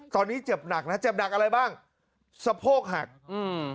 ตอนนี้เจ็บหนักนะเจ็บหนักอะไรบ้างสะโพกหักอืม